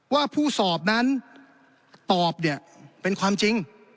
ว่าผู้สอบนั้นตอบเนี่ยเป็นความจริง